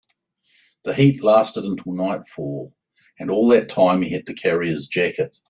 The heat lasted until nightfall, and all that time he had to carry his jacket.